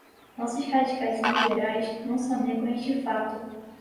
Nossos radicais e liberais não só negam este fato